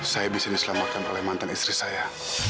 saya bisa diselamatkan oleh mantan istri saya